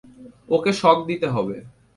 ওকে shock দিতে হবে।